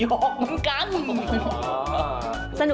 บอกเหมือนกัน